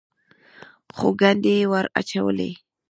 خو ګنډې یې ور اچولې.